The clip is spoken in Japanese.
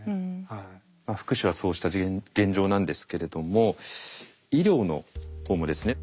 福祉はそうした現状なんですけれども医療のほうもですね